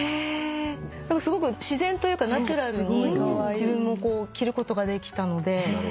すごく自然というかナチュラルに自分もこう着ることができたので。